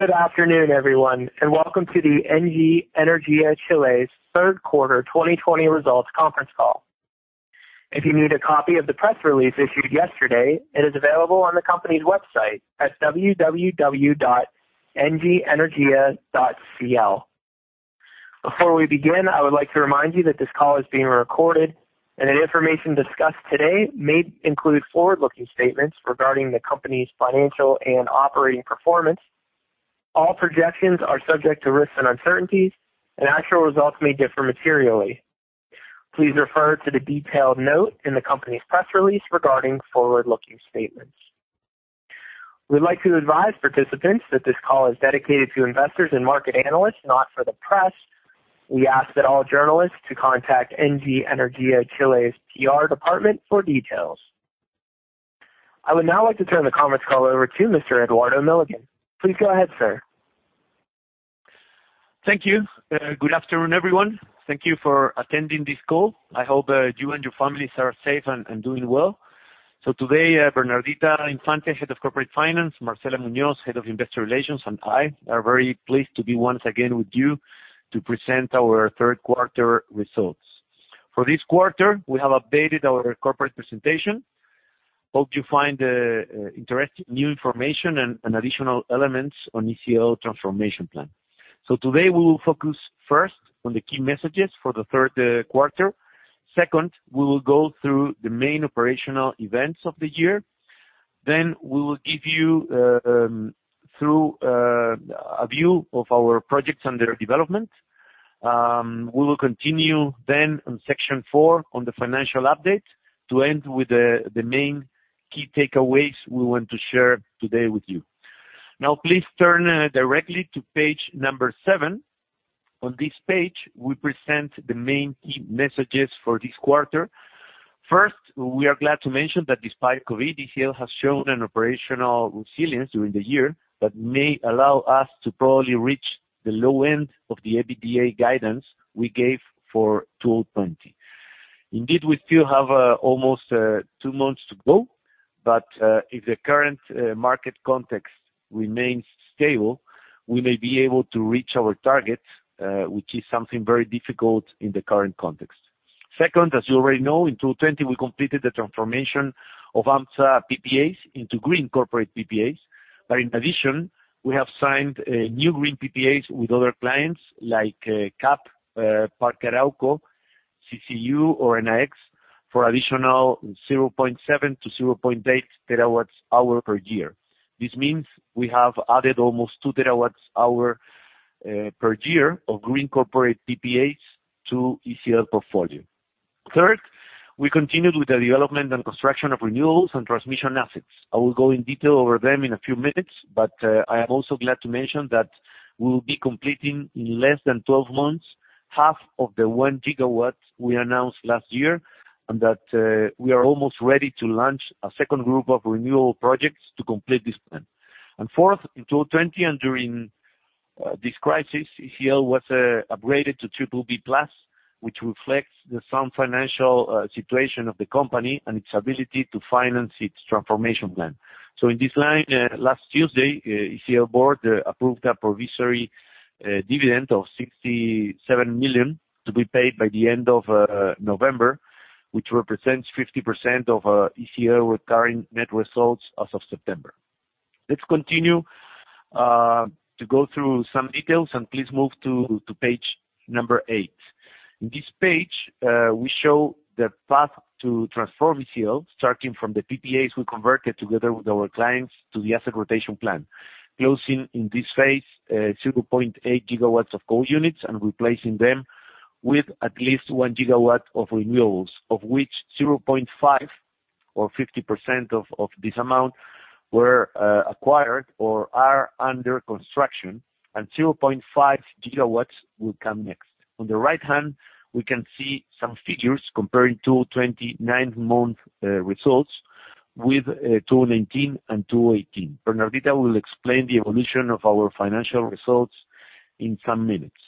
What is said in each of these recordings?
Good afternoon, everyone, and welcome to the Engie Energia Chile's third quarter 2020 results conference call. If you need a copy of the press release issued yesterday, it is available on the company's website at www.engieenergia.cl. Before we begin, I would like to remind you that this call is being recorded and any information discussed today may include forward-looking statements regarding the company's financial and operating performance. All projections are subject to risks and uncertainties, and actual results may differ materially. Please refer to the detailed note in the company's press release regarding forward-looking statements. We'd like to advise participants that this call is dedicated to investors and market analysts, not for the press. We ask that all journalists to contact Engie Energia Chile's PR department for details. I would now like to turn the conference call over to Mr. Eduardo Milligan. Please go ahead, sir. Thank you. Good afternoon, everyone. Thank you for attending this call. I hope you and your families are safe and doing well. Today, Bernardita Infante, Head of Corporate Finance, Marcela Muñoz, Head of Investor Relations, and I are very pleased to be once again with you to present our third quarter results. For this quarter, we have updated our corporate presentation. We hope you find interesting new information and additional elements on ECL transformation plan. Today, we will focus first on the key messages for the third quarter. Second, we will go through the main operational events of the year. We will give you through a view of our projects under development. We will continue then on section four on the financial update, to end with the main key takeaways we want to share today with you. Please turn directly to page number seven. On this page, we present the main key messages for this quarter. First, we are glad to mention that despite COVID, ECL has shown an operational resilience during the year that may allow us to probably reach the low end of the EBITDA guidance we gave for 2020. We still have almost two months to go, but if the current market context remains stable, we may be able to reach our target, which is something very difficult in the current context. Second, as you already know, in 2020, we completed the transformation of AMSA PPAs into green corporate PPAs. In addition, we have signed new green PPAs with other clients like CAP, Parque Arauco, CCU, or Enaex for additional 0.7 to 0.8 TWh per year. This means we have added almost 2 TWh per year of green corporate PPAs to ECL portfolio. Third, we continued with the development and construction of renewable and transmission assets. I will go in detail over them in a few minutes, but, I am also glad to mention that we'll be completing in less than 12 months, half of the 1 GW we announced last year, and that we are almost ready to launch a second group of renewable projects to complete this plan. Fourth, in 2020 and during this crisis, ECL was upgraded to BBB+, which reflects the sound financial situation of the company and its ability to finance its transformation plan. In this line, last Tuesday, ECL board approved a provisory dividend of $67 million to be paid by the end of November, which represents 50% of ECL recurring net results as of September. Let's continue to go through some details, and please move to page number eight. In this page, we show the path to transform ECL, starting from the PPAs we converted together with our clients to the asset rotation plan. Closing in this phase, 0.8 GW of coal units and replacing them with at least 1 GW of renewables, of which 0.5 or 50% of this amount were acquired or are under construction, and 0.5 GW will come next. On the right hand, we can see some figures comparing 2020 nine-month results with 2019 and 2018. Bernardita will explain the evolution of our financial results in some minutes.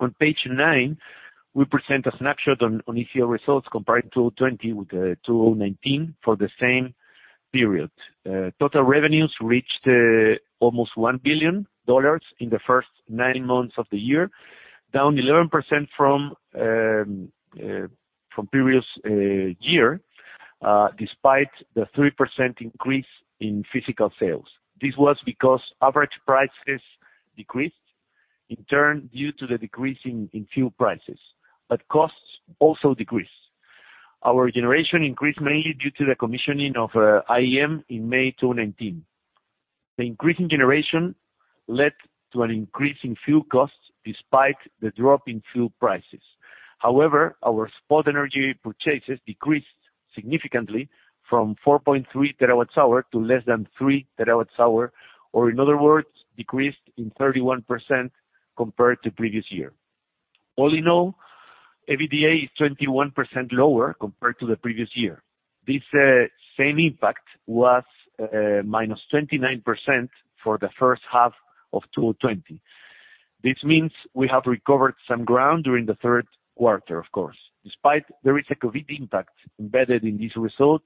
On page nine, we present a snapshot on ECL results comparing 2020 with 2019 for the same period. Total revenues reached almost $1 billion in the first nine months of the year, down 11% from previous year, despite the 3% increase in physical sales. This was because average prices decreased, in turn, due to the decrease in fuel prices. Costs also decreased. Our generation increased mainly due to the commissioning of IEM in May 2019. The increase in generation led to an increase in fuel costs despite the drop in fuel prices. However, our spot energy purchases decreased significantly from 4.3 TWh to less than 3 TWh, or in other words, decreased in 31% compared to previous year. All in all, EBITDA is 21% lower compared to the previous year. This same impact was -29% for the first half of 2020. This means we have recovered some ground during the third quarter, of course. Despite there is a COVID impact embedded in this result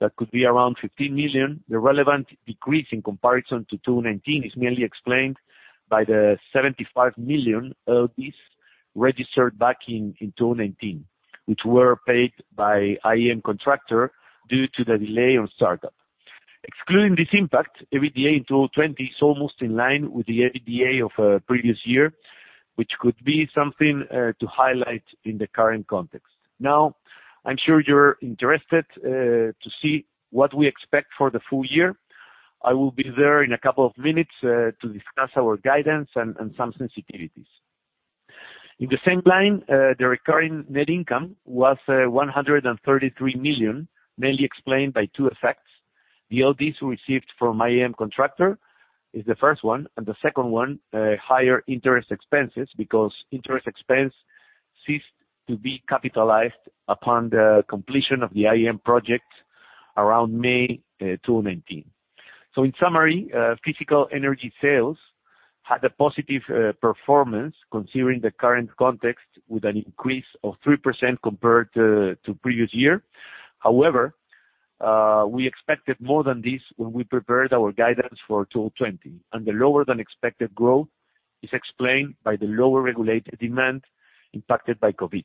that could be around $15 million, the relevant decrease in comparison to 2019 is merely explained by the $75 million of these registered back in 2019, which were paid by IEM contractor due to the delay on startup. Excluding this impact, EBITDA in 2020 is almost in line with the EBITDA of previous year, which could be something to highlight in the current context. I'm sure you're interested to see what we expect for the full year. I will be there in a couple of minutes to discuss our guidance and some sensitivities. The recurring net income was $133 million, mainly explained by two effects. The LDs received from IEM contractor is the first one, and the second one, higher interest expenses because interest expense ceased to be capitalized upon the completion of the IEM project around May 2019. In summary, physical energy sales had a positive performance considering the current context, with an increase of 3% compared to previous year. However, we expected more than this when we prepared our guidance for 2020, and the lower than expected growth is explained by the lower regulated demand impacted by COVID.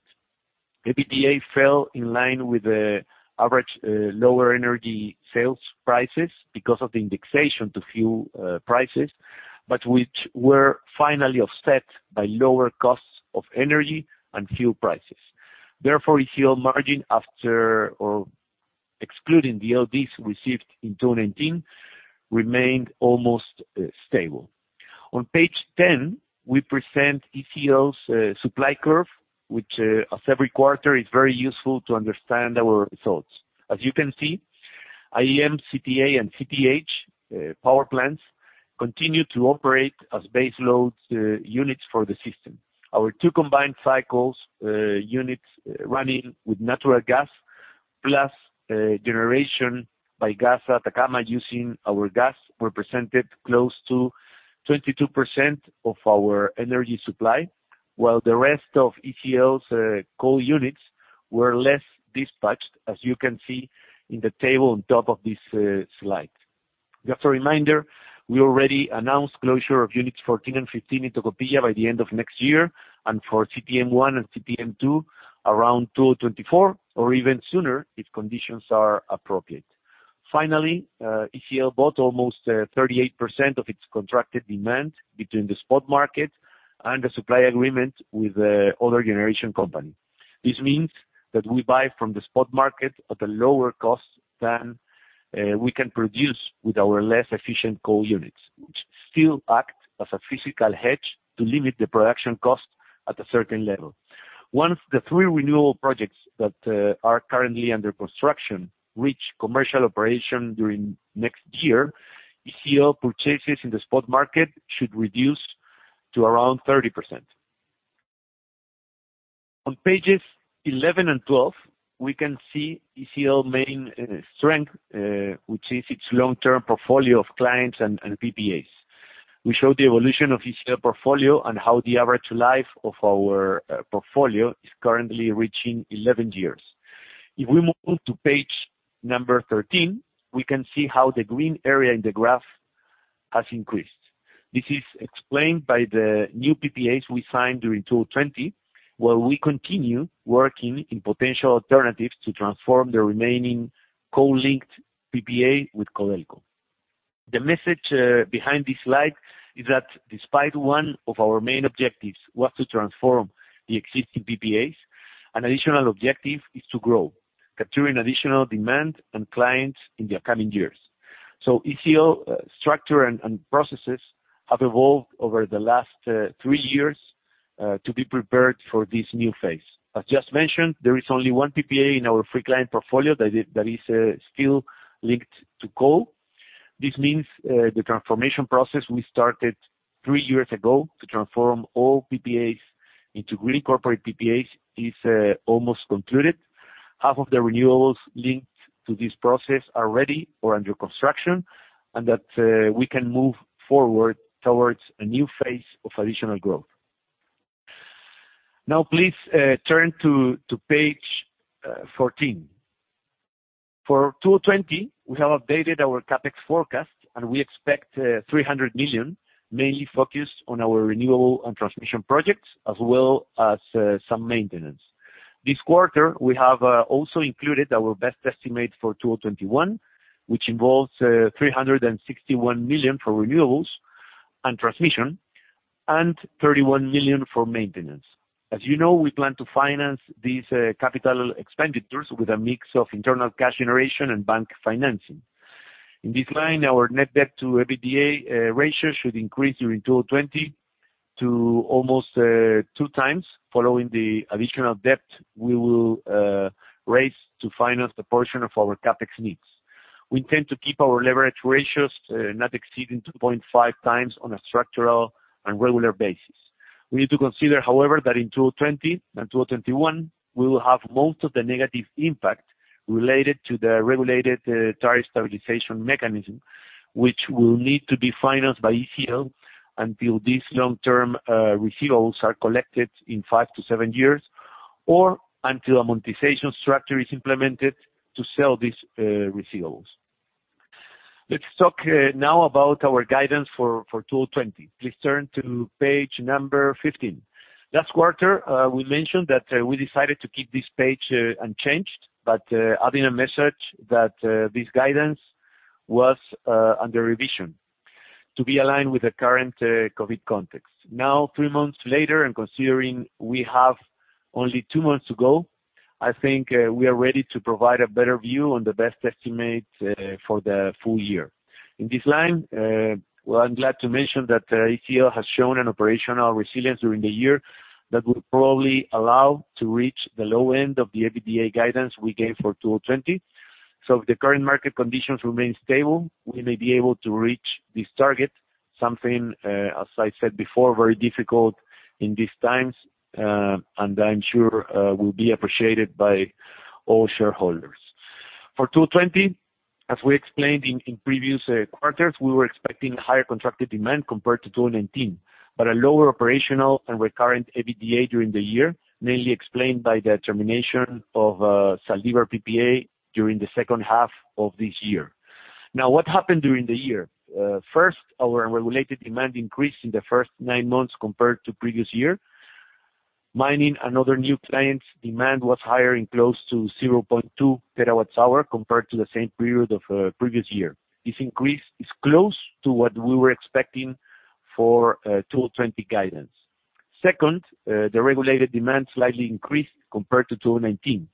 EBITDA fell in line with the average lower energy sales prices because of the indexation to fuel prices, but which were finally offset by lower costs of energy and fuel prices. Therefore, ECL margin after or excluding the LDs received in 2019 remained almost stable. On page 10, we present ECL's supply curve, which as every quarter, is very useful to understand our results. As you can see, IEM, CTA, and CTH power plants continue to operate as baseload units for the system. Our two combined cycle units running with natural gas, plus generation by GasAtacama using our gas, represented close to 22% of our energy supply, while the rest of ECL's coal units were less dispatched, as you can see in the table on top of this slide. Just a reminder, we already announced closure of units 14 and 15 in Tocopilla by the end of next year, and for CTM-1 and CTM-2 around 2024 or even sooner if conditions are appropriate. Finally, ECL bought almost 38% of its contracted demand between the spot market and the supply agreement with other generation company. This means that we buy from the spot market at a lower cost than we can produce with our less efficient coal units, which still act as a physical hedge to limit the production cost at a certain level. Once the three renewable projects that are currently under construction reach commercial operation during next year, ECL purchases in the spot market should reduce to around 30%. On pages 11 and 12, we can see ECL main strength, which is its long-term portfolio of clients and PPAs. We show the evolution of ECL portfolio and how the average life of our portfolio is currently reaching 11 years. If we move to page number 13, we can see how the green area in the graph has increased. This is explained by the new PPAs we signed during 2020, while we continue working in potential alternatives to transform the remaining coal-linked PPA with Codelco. The message behind this slide is that despite one of our main objectives was to transform the existing PPAs, an additional objective is to grow, capturing additional demand and clients in the upcoming years. ECL structure and processes have evolved over the last three years to be prepared for this new phase. As just mentioned, there is only one PPA in our free client portfolio that is still linked to coal. This means the transformation process we started three years ago to transform all PPAs into green corporate PPAs is almost concluded. Half of the renewals linked to this process are ready or under construction, and that we can move forward towards a new phase of additional growth. Now please turn to page 14. For 2020, we have updated our CapEx forecast, and we expect $300 million, mainly focused on our renewable and transmission projects, as well as some maintenance. This quarter, we have also included our best estimate for 2021, which involves $361 million for renewables and transmission and $31 million for maintenance. As you know, we plan to finance these capital expenditures with a mix of internal cash generation and bank financing. In this line, our net debt to EBITDA ratio should increase during 2020 to almost two times, following the additional debt we will raise to finance the portion of our CapEx needs. We intend to keep our leverage ratios not exceeding 2.5 times on a structural and regular basis. We need to consider, however, that in 2020 and 2021, we will have most of the negative impact related to the regulated tariff stabilization mechanism, which will need to be financed by ECL until these long-term receivables are collected in five to seven years, or until amortization structure is implemented to sell these receivables. Let's talk now about our guidance for 2020. Please turn to page number 15. Last quarter, we mentioned that we decided to keep this page unchanged, but adding a message that this guidance was under revision to be aligned with the current COVID context. Now, three months later, and considering we have only two months to go, I think we are ready to provide a better view on the best estimate for the full year. In this line, well, I'm glad to mention that ECL has shown an operational resilience during the year that will probably allow to reach the low end of the EBITDA guidance we gave for 2020. If the current market conditions remain stable, we may be able to reach this target. Something, as I said before, very difficult in these times, and I'm sure will be appreciated by all shareholders. For 2020, as we explained in previous quarters, we were expecting higher contracted demand compared to 2019, but a lower operational and recurrent EBITDA during the year, mainly explained by the termination of Zaldívar PPA during the second half of this year. Now, what happened during the year? First, our regulated demand increased in the first nine months compared to previous year. Mining another new clients' demand was higher in close to 0.2 TWh compared to the same period of previous year. This increase is close to what we were expecting for 2020 guidance. Second, the regulated demand slightly increased compared to 2019.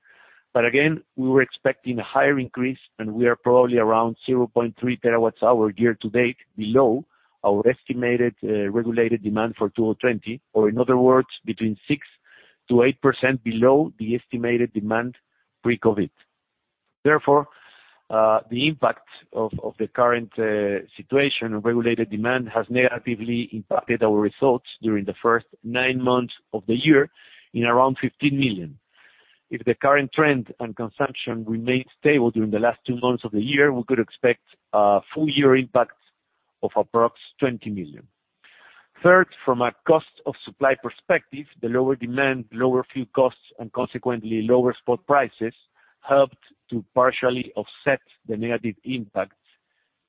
Again, we were expecting a higher increase, and we are probably around 0.3 TWh year-to-date below our estimated regulated demand for 2020, or in other words, between 6%-8% below the estimated demand pre-COVID. Therefore, the impact of the current situation on regulated demand has negatively impacted our results during the first nine months of the year in around $15 million. If the current trend and consumption remains stable during the last two months of the year, we could expect a full year impact of approx $20 million. Third, from a cost of supply perspective, the lower demand, lower fuel costs, and consequently lower spot prices helped to partially offset the negative impact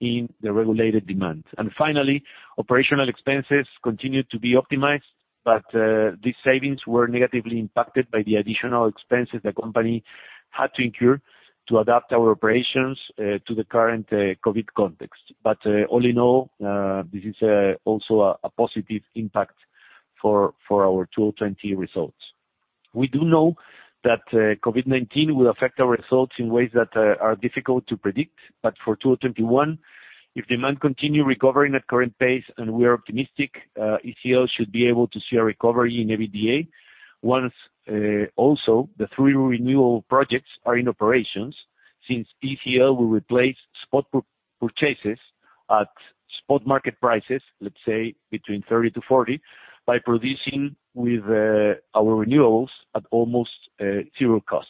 in the regulated demand. Finally, operational expenses continued to be optimized, but these savings were negatively impacted by the additional expenses the company had to incur to adapt our operations to the current COVID context. All in all, this is also a positive impact for our 2020 results. We do know that COVID-19 will affect our results in ways that are difficult to predict. For 2021, if demand continue recovering at current pace, and we are optimistic ECL should be able to see a recovery in EBITDA once also the three renewal projects are in operations, since ECL will replace spot purchases at spot market prices, let's say between 30 to 40, by producing with our renewals at almost zero cost.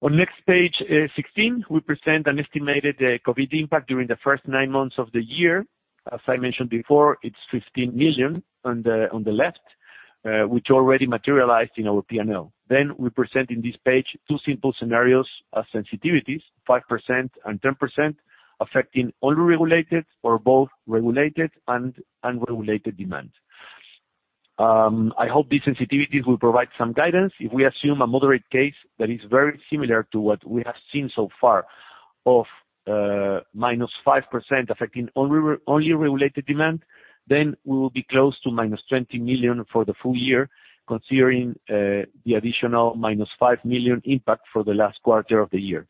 On next page 16, we present an estimated COVID impact during the first nine months of the year. As I mentioned before, it's $15 million on the left, which already materialized in our P&L. We present in this page two simple scenarios as sensitivities, 5% and 10%, affecting only regulated or both regulated and unregulated demand. I hope these sensitivities will provide some guidance. If we assume a moderate case that is very similar to what we have seen so far of -5% affecting only regulated demand, then we will be close to -$20 million for the full year, considering the additional -$5 million impact for the last quarter of the year.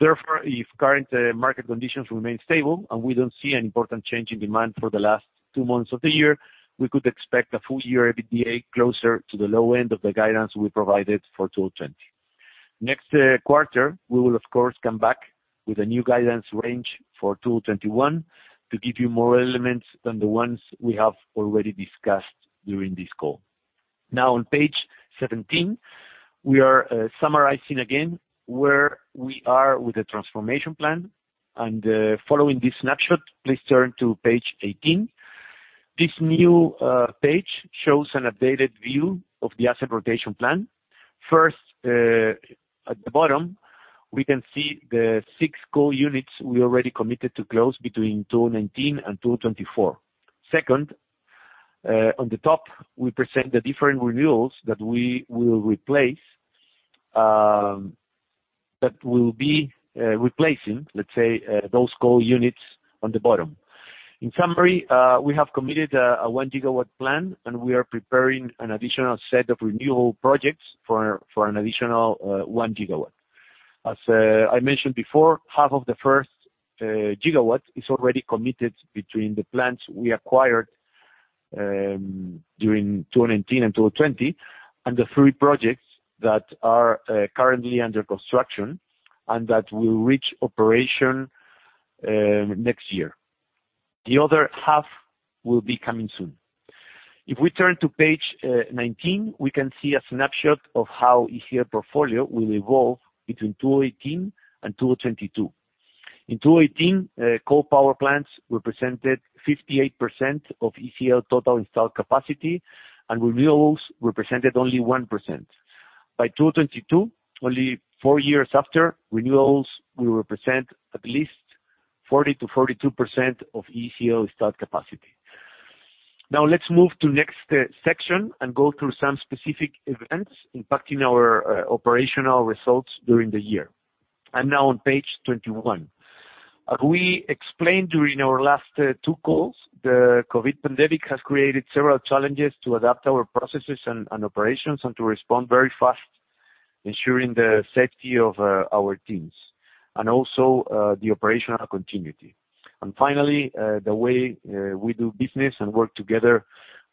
If current market conditions remain stable and we don't see an important change in demand for the last two months of the year, we could expect a full year EBITDA closer to the low end of the guidance we provided for 2020. Next quarter, we will of course come back with a new guidance range for 2021 to give you more elements than the ones we have already discussed during this call. On page 17, we are summarizing again where we are with the transformation plan and, following this snapshot, please turn to page 18. This new page shows an updated view of the asset rotation plan. At the bottom, we can see the six coal units we already committed to close between 2019 and 2024. Second, on the top, we present the different renewals that we will be replacing, let's say, those coal units on the bottom. In summary, we have committed a 1 GW plan, and we are preparing an additional set of renewal projects for an additional 1 GW. As I mentioned before, half of the first gigawatt is already committed between the plants we acquired during 2019 and 2020 and the three projects that are currently under construction and that will reach operation next year. The other half will be coming soon. If we turn to page 19, we can see a snapshot of how ECL portfolio will evolve between 2018 and 2022. In 2018, coal power plants represented 58% of ECL total installed capacity, and renewables represented only 1%. By 2022, only four years after, renewables will represent at least 40%-42% of ECL installed capacity. Let's move to next section and go through some specific events impacting our operational results during the year, and now on page 21. As we explained during our last two calls, the COVID pandemic has created several challenges to adapt our processes and operations and to respond very fast, ensuring the safety of our teams, and also the operational continuity, and finally, the way we do business and work together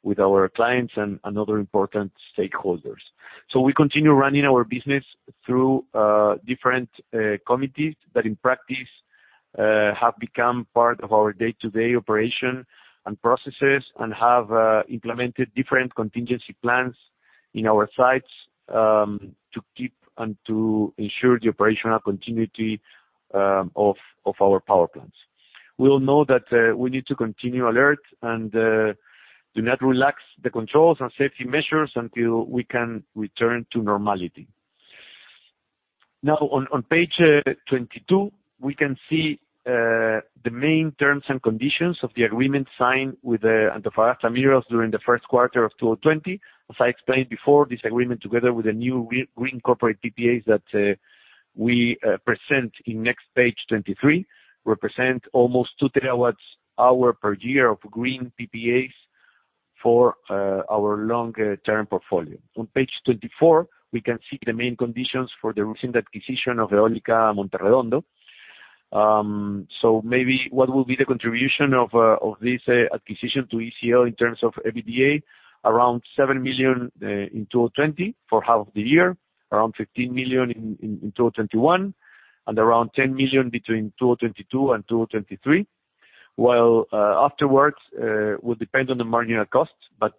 with our clients and other important stakeholders. We continue running our business through different committees that, in practice, have become part of our day-to-day operation and processes and have implemented different contingency plans in our sites, to keep and to ensure the operational continuity of our power plants. We all know that we need to continue alert and do not relax the controls and safety measures until we can return to normality. On page 22, we can see the main terms and conditions of the agreement signed with Antofagasta Minerals during the first quarter of 2020. As I explained before, this agreement, together with the new green corporate PPAs that we present in next page 23, represent almost 2 TWhs per year of green PPAs for our long-term portfolio. On page 24, we can see the main conditions for the recent acquisition of Eólica Monte Redondo. Maybe what will be the contribution of this acquisition to ECL in terms of EBITDA, around $7 million in 2020 for half of the year, around $15 million in 2021, and around $10 million between 2022 and 2023, while afterwards, will depend on the marginal cost.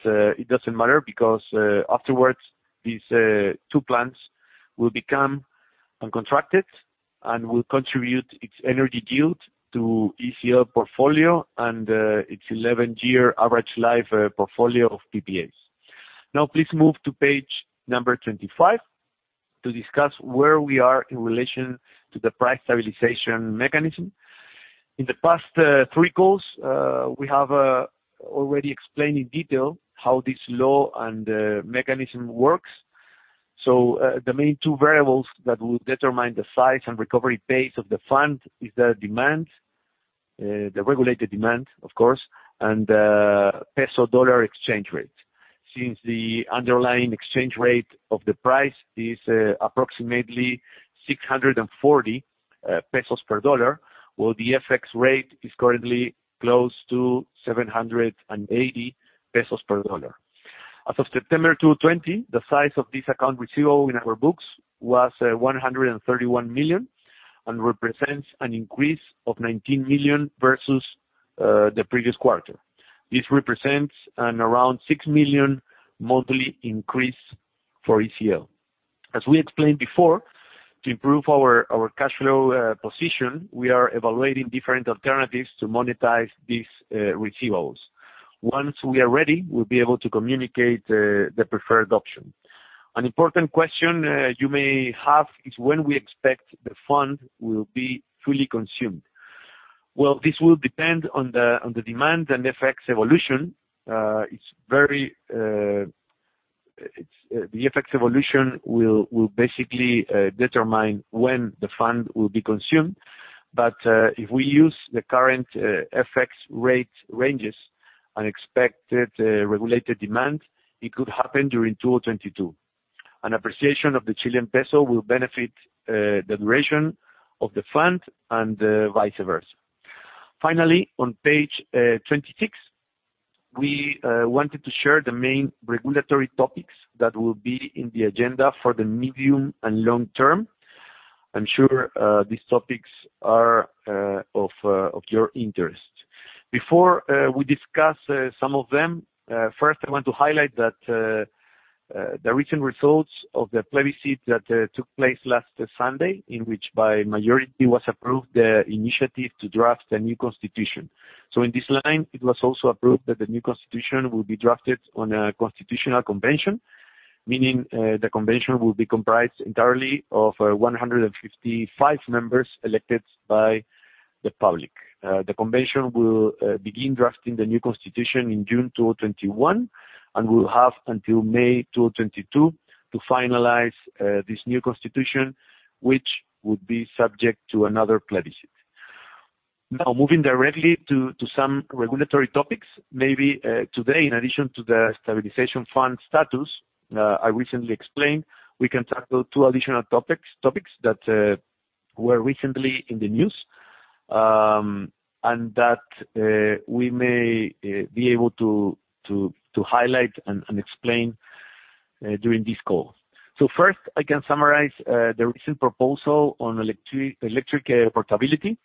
It doesn't matter because, afterwards, these two plants will become uncontracted and will contribute its energy yield to ECL portfolio and its 11-year average life portfolio of PPAs. Now please move to page number 25 to discuss where we are in relation to the price stabilization mechanism. In the past three calls, we have already explained in detail how this law and mechanism works. The main two variables that will determine the size and recovery pace of the fund is the demand, the regulated demand, of course, and peso-dollar exchange rate. Since the underlying exchange rate of the price is approximately 640 pesos per dollar, while the FX rate is currently close to 780 pesos per dollar. As of September 2020, the size of this account receivable in our books was $131 million and represents an increase of $19 million versus the previous quarter. This represents an around $6 million monthly increase for ECL. As we explained before, to improve our cash flow position, we are evaluating different alternatives to monetize these receivables. Once we are ready, we'll be able to communicate the preferred option. An important question you may have is when we expect the fund will be fully consumed. Well, this will depend on the demand and FX evolution. The FX evolution will basically determine when the fund will be consumed. If we use the current FX rate ranges and expected regulated demand, it could happen during 2022. An appreciation of the Chilean peso will benefit the duration of the fund and vice versa. Finally, on page 26, we wanted to share the main regulatory topics that will be in the agenda for the medium and long term. I'm sure these topics are of your interest. Before we discuss some of them, first, I want to highlight that the recent results of the plebiscite that took place last Sunday, in which by majority was approved the initiative to draft a new constitution. In this line, it was also approved that the new constitution will be drafted on a constitutional convention, meaning the convention will be comprised entirely of 155 members elected by the public. The convention will begin drafting the new constitution in June 2021, and will have until May 2022 to finalize this new constitution, which would be subject to another plebiscite. Now, moving directly to some regulatory topics. Maybe today, in addition to the stabilization fund status I recently explained, we can tackle two additional topics that were recently in the news, and that we may be able to highlight and explain during this call. First, I can summarize the recent proposal on electric portability.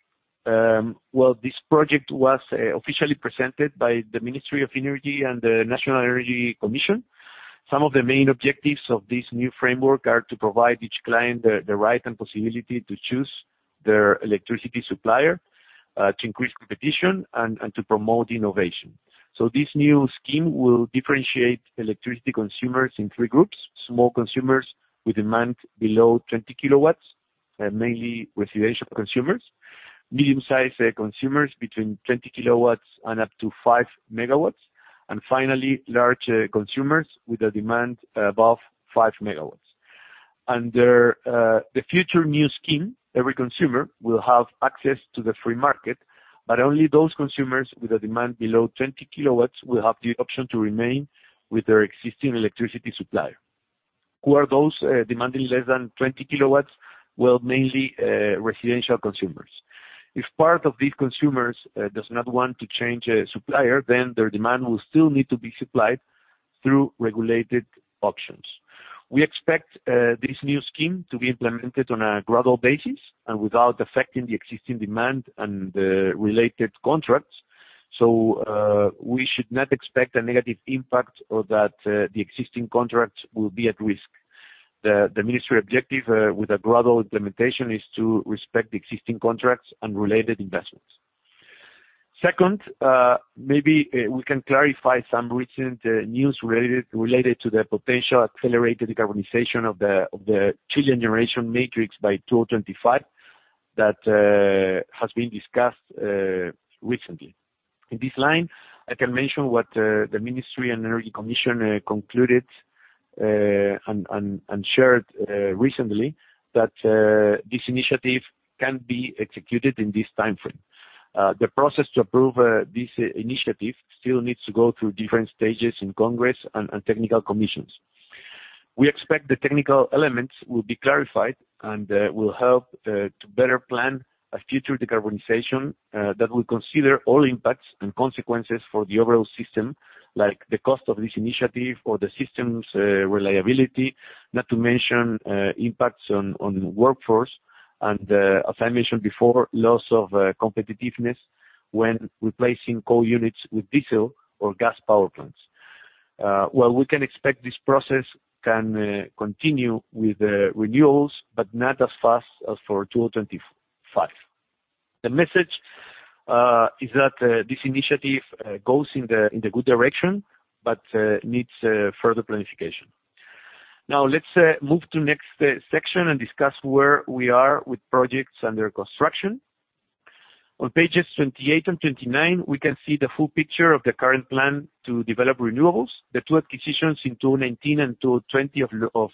This project was officially presented by the Ministry of Energy and the National Energy Commission. Some of the main objectives of this new framework are to provide each client the right and possibility to choose their electricity supplier, to increase competition, and to promote innovation. This new scheme will differentiate electricity consumers in 3 groups: small consumers with demand below 20 kW, mainly residential consumers, medium-sized consumers between 20 kW and up to 5 MW, and finally, large consumers with a demand above 5 MW. Under the future new scheme, every consumer will have access to the free market, but only those consumers with a demand below 20 kW will have the option to remain with their existing electricity supplier. Who are those demanding less than 20 kW? Mainly residential consumers. If part of these consumers does not want to change supplier, then their demand will still need to be supplied through regulated options. We expect this new scheme to be implemented on a gradual basis and without affecting the existing demand and the related contracts. We should not expect a negative impact or that the existing contracts will be at risk. The Ministry objective with a gradual implementation is to respect existing contracts and related investments. Second, maybe we can clarify some recent news related to the potential accelerated decarbonization of the Chilean generation matrix by 2025 that has been discussed recently. In this line, I can mention what the Ministry and Energy Commission concluded and shared recently that this initiative can be executed in this timeframe. The process to approve this initiative still needs to go through different stages in Congress and technical commissions. We expect the technical elements will be clarified and will help to better plan a future decarbonization that will consider all impacts and consequences for the overall system, like the cost of this initiative or the system's reliability, not to mention impacts on workforce and, as I mentioned before, loss of competitiveness when replacing coal units with diesel or gas power plants. We can expect this process can continue with renewals, but not as fast as for 2025. The message is that this initiative goes in the good direction, but needs further planification. Now let's move to next section and discuss where we are with projects under construction. On pages 28 and 29, we can see the full picture of the current plan to develop renewables. The two acquisitions in 2019 and 2020 of Los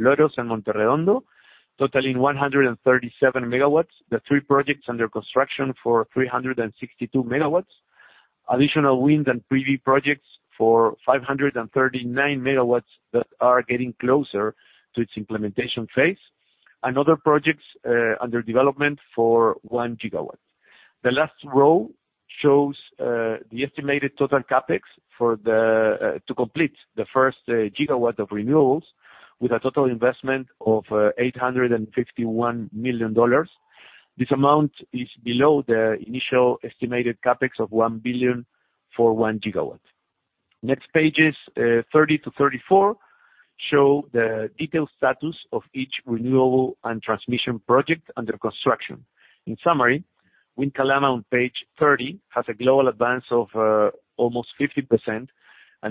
Loros and Monte Redondo, totaling 137 MWs. The three projects under construction for 362 MW. Additional wind and PV projects for 539 MW that are getting closer to its implementation phase, other projects under development for 1 GW. The last row shows the estimated total CapEx to complete the first gigawatt of renewables with a total investment of $851 million. This amount is below the initial estimated CapEx of $1 billion for 1 GW. Next pages, 30-34, show the detailed status of each renewable and transmission project under construction. In summary, Wind Calama on page 30 has a global advance of almost 50%,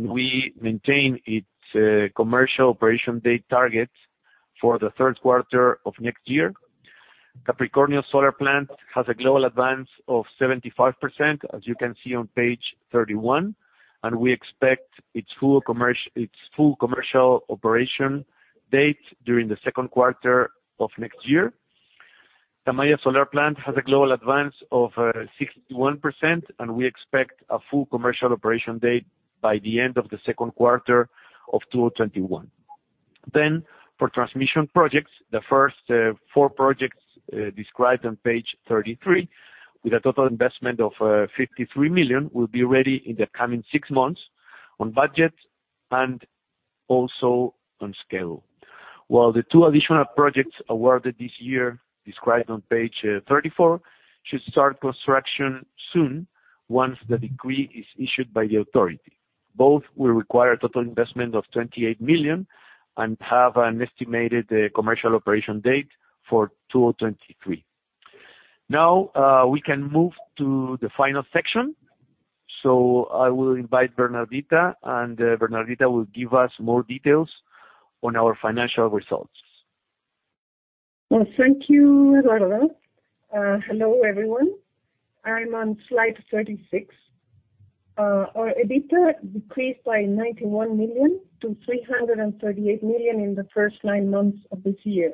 we maintain its commercial operation date target for the third quarter of next year. Capricornio Solar Plant has a global advance of 75%, as you can see on page 31, we expect its full commercial operation date during the second quarter of next year. Tamaya Solar Plant has a global advance of 61%. We expect a full commercial operation date by the end of the second quarter of 2021. For transmission projects, the first four projects described on page 33 with a total investment of $53 million will be ready in the coming six months on budget and also on scale. While the two additional projects awarded this year, described on page 34, should start construction soon, once the decree is issued by the authority. Both will require a total investment of $28 million and have an estimated commercial operation date for 2023. Now, we can move to the final section. I will invite Bernardita. Bernardita will give us more details on our financial results. Well, thank you, Eduardo. Hello, everyone. I'm on slide 36. Our EBITDA decreased by $91 million to $338 million in the first nine months of this year.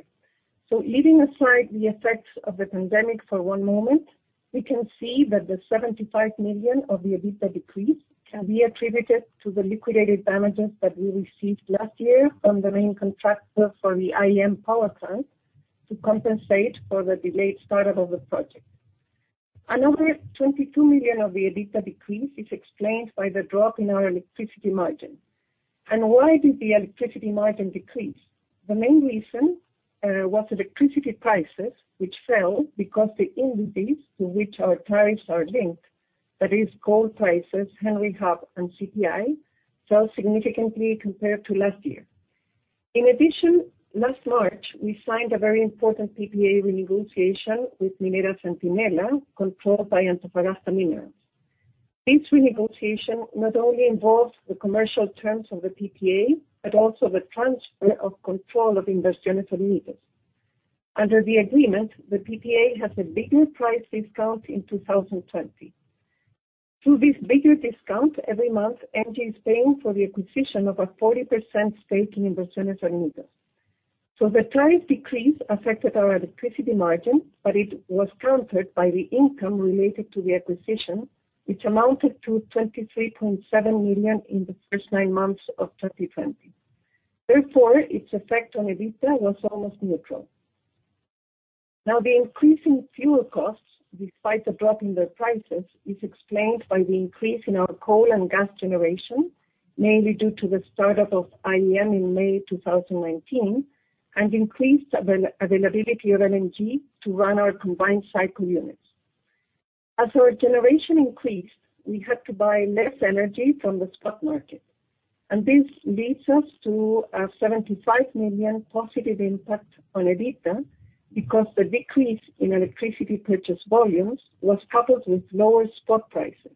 Leaving aside the effects of the pandemic for one moment, we can see that the $75 million of the EBITDA decrease can be attributed to the liquidated damages that we received last year from the main contractor for the IEM power plant to compensate for the delayed startup of the project. Another $22 million of the EBITDA decrease is explained by the drop in our electricity margin. Why did the electricity margin decrease? The main reason was electricity prices, which fell because the indices to which our tariffs are linked, that is, coal prices, Henry Hub, and CPI, fell significantly compared to last year. In addition, last March, we signed a very important PPA renegotiation with Minera Centinela, controlled by Antofagasta Minerals. This renegotiation not only involved the commercial terms of the PPA, but also the transfer of control of Inversiones Renovables. Under the agreement, the PPA has a bigger price discount in 2020. Through this bigger discount, every month, Engie is paying for the acquisition of a 40% stake in Inversiones Renovables. The price decrease affected our electricity margin, but it was countered by the income related to the acquisition, which amounted to $23.7 million in the first nine months of 2020. Therefore, its effect on EBITDA was almost neutral. Now, the increase in fuel costs, despite the drop in their prices, is explained by the increase in our coal and gas generation, mainly due to the start-up of IEM in May 2019, and increased availability of LNG to run our combined cycle units. As our generation increased, we had to buy less energy from the spot market, this leads us to a $75 million positive impact on EBITDA because the decrease in electricity purchase volumes was coupled with lower spot prices,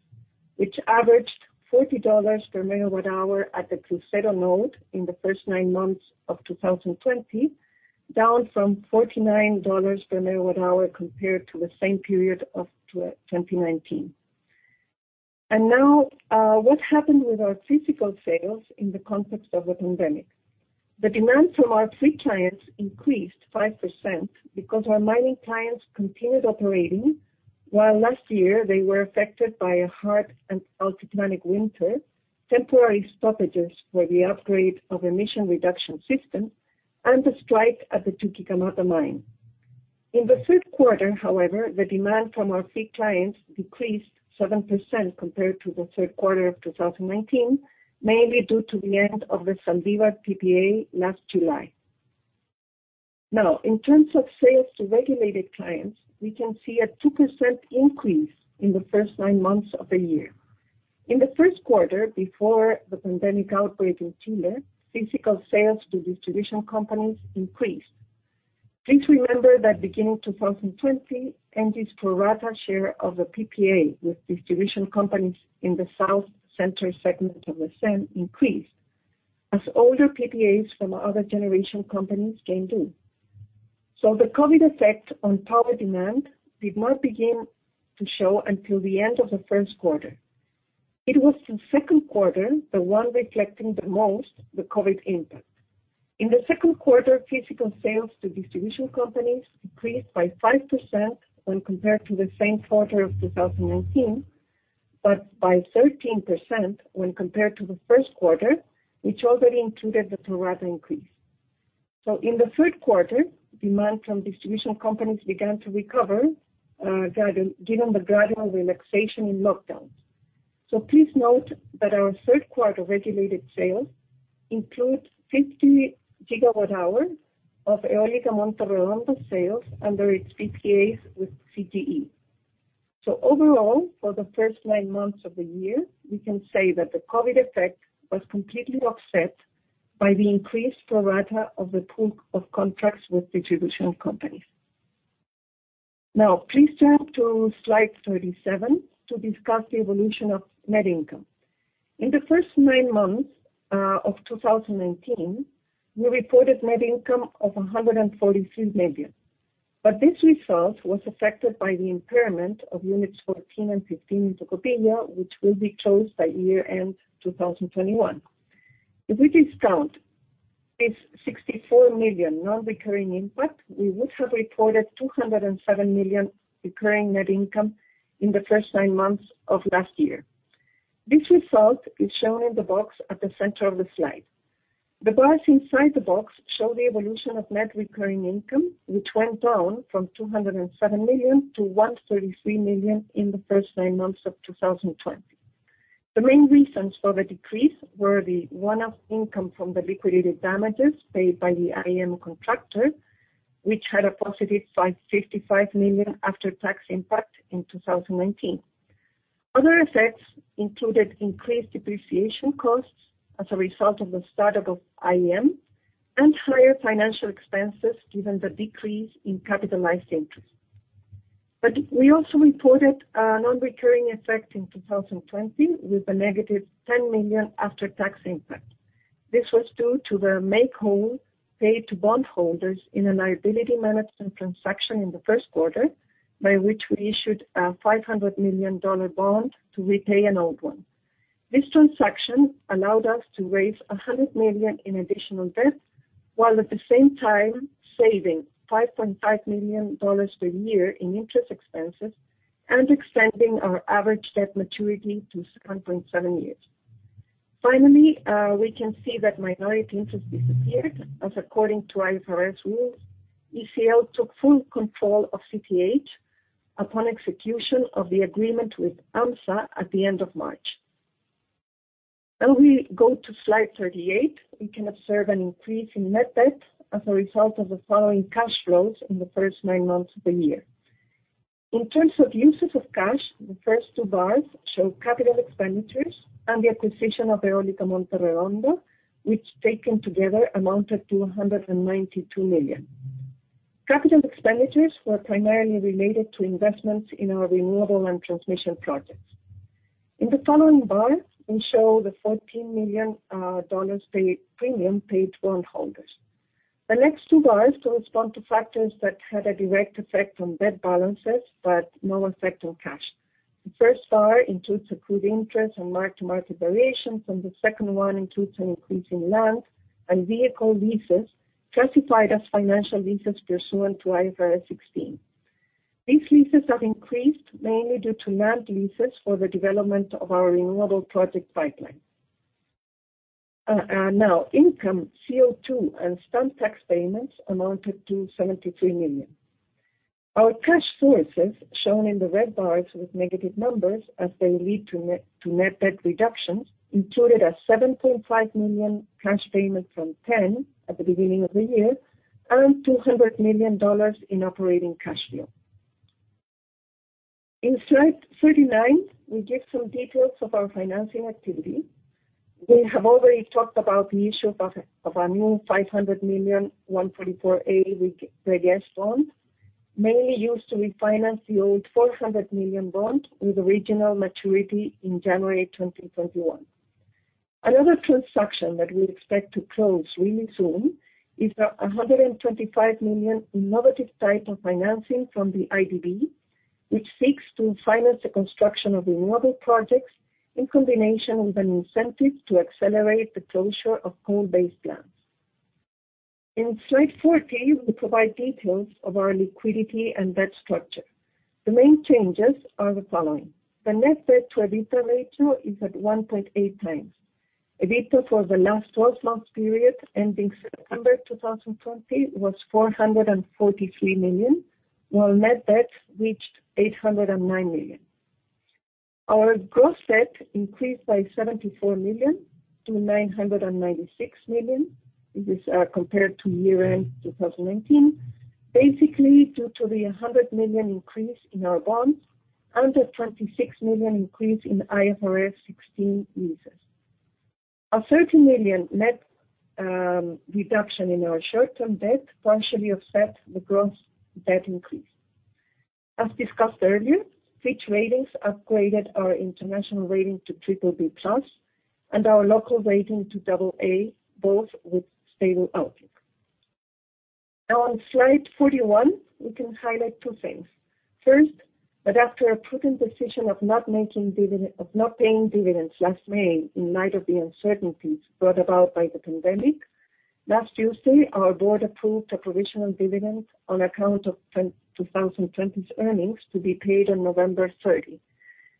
which averaged $40 per MWh at the Crucero node in the first nine months of 2020, down from $49 per MWh compared to the same period of 2019. Now, what happened with our physical sales in the context of the pandemic? The demand from our free clients increased 5% because our mining clients continued operating, while last year they were affected by a hard and altiplanic winter, temporary stoppages for the upgrade of emission reduction system, and the strike at the Chuquicamata mine. In the third quarter, however, the demand from our fee clients decreased 7% compared to the third quarter of 2019, mainly due to the end of the Zaldívar PPA last July. In terms of sales to regulated clients, we can see a 2% increase in the first nine months of the year. In the first quarter, before the pandemic outbreak in Chile, physical sales to distribution companies increased. Please remember that beginning 2020, Engie's pro-rata share of the PPA with distribution companies in the South Center segment of the SEN increased, as older PPAs from other generation companies came due. The COVID effect on power demand did not begin to show until the end of the first quarter. It was the second quarter, the one reflecting the most the COVID impact. In the second quarter, physical sales to distribution companies decreased by 5% when compared to the same quarter of 2019, but by 13% when compared to the first quarter, which already included the pro-rata increase. In the third quarter, demand from distribution companies began to recover, given the gradual relaxation in lockdowns. Please note that our third quarter regulated sales include 50 GWh of Eólica Monte Redondo sales under its PPAs with CGE. Overall, for the first nine months of the year, we can say that the COVID effect was completely offset by the increased pro rata of the pool of contracts with distribution companies. Now, please turn to slide 37 to discuss the evolution of net income. In the first nine months of 2019, we reported net income of $143 million. This result was affected by the impairment of units 14 and 15 in Tocopilla, which will be closed by year-end 2021. If we discount this $64 million non-recurring impact, we would have reported $207 million recurring net income in the first nine months of last year. This result is shown in the box at the center of the slide. The bars inside the box show the evolution of net recurring income, which went down from $207 million to $133 million in the first nine months of 2020. The main reasons for the decrease were the one-off income from the liquidated damages paid by the IEM contractor, which had a positive $55 million after-tax impact in 2019. Other effects included increased depreciation costs as a result of the start-up of IEM and higher financial expenses, given the decrease in capitalized interest. We also reported a non-recurring effect in 2020 with a negative $10 million after-tax impact. This was due to the make whole paid to bondholders in a liability management transaction in the first quarter, by which we issued a $500 million bond to repay an old one. This transaction allowed us to raise $100 million in additional debt, while at the same time saving $5.5 million per year in interest expenses and extending our average debt maturity to 7.7 years. We can see that minority interest disappeared, as according to IFRS rules, ECL took full control of CTH upon execution of the agreement with AMSA at the end of March. We go to slide 38. We can observe an increase in net debt as a result of the following cash flows in the first nine months of the year. In terms of uses of cash, the first two bars show capital expenditures and the acquisition of Eólica Monte Redondo, which, taken together, amounted to $192 million. Capital expenditures were primarily related to investments in our renewable and transmission projects. In the following bars, we show the $14 million premium paid to bondholders. The next two bars correspond to factors that had a direct effect on debt balances, but no effect on cash. The first bar includes accrued interest and mark-to-market variations, and the second one includes an increase in land and vehicle leases classified as financial leases pursuant to IFRS 16. These leases have increased mainly due to land leases for the development of our renewable project pipeline. Now, income, CO2, and stamp tax payments amounted to $73 million. Our cash sources, shown in the red bars with negative numbers, as they lead to net debt reductions, included a $7.5 million cash payment from TEN at the beginning of the year and $200 million in operating cash flow. In slide 39, we give some details of our financing activity. We have already talked about the issue of our new $500 million 144A/Reg S bond, mainly used to refinance the old $400 million bond with original maturity in January 2021. Another transaction that we expect to close really soon is the $125 million innovative type of financing from the IDB, which seeks to finance the construction of renewable projects in combination with an incentive to accelerate the closure of coal-based plants. In slide 40, we provide details of our liquidity and debt structure. The main changes are the following. The net debt to EBITDA ratio is at 1.8 times. EBITDA for the last 12-month period ending September 2020 was $443 million, while net debt reached $809 million. Our gross debt increased by $74 million to $996 million. This is compared to year-end 2019, basically due to the $100 million increase in our bonds and the $126 million increase in IFRS 16 leases. A $13 million net reduction in our short-term debt partially offset the gross debt increase. As discussed earlier, Fitch Ratings upgraded our international rating to BBB+ and our local rating to AA, both with stable outlook. Now, on slide 41, we can highlight two things. First, that after a prudent decision of not paying dividends last May in light of the uncertainties brought about by the pandemic, last Tuesday, our board approved a provisional dividend on account of 2020's earnings to be paid on November 30.